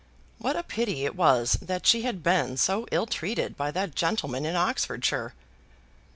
What a pity it was that she had been so ill treated by that gentleman in Oxfordshire!"